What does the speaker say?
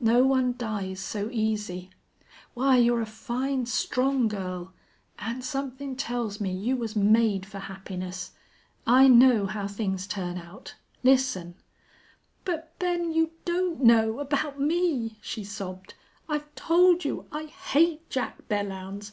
No one dies so easy. Why, you're a fine, strong girl an' somethin' tells me you was made for happiness. I know how things turn out. Listen " "But, Ben you don't know about me," she sobbed. "I've told you I hate Jack Belllounds.